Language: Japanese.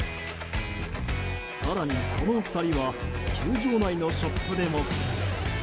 更に、その２人は球場内のショップでも。